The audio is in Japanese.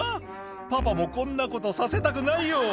「パパもこんなことさせたくないよ」